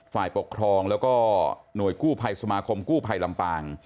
ฝ่ายปกครองแล้วก็หน่วยกู้ภัยสมาคมกู้ภัยลำปาง